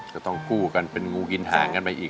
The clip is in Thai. จะต้องกู้กันเป็นงูกินห่างกันไปอีก